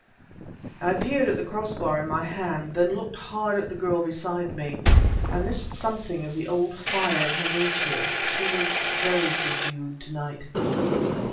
I peered at the crossbar in my hand, then looked hard at the girl beside me. I missed something of the old fire of her nature; she was very subdued, tonight.